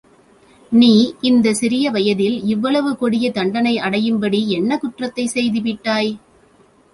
நீ இந்தச் சிறுவயதில் இவ்வளவு கொடிய தண்டனையடையும்படி என்ன குற்றத்தைச் செய்துவிட்டாய்?